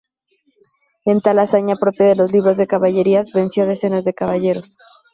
En tal hazaña propia de los libros de caballerías venció a decenas de caballeros.